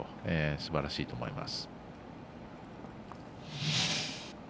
すばらしいと思います。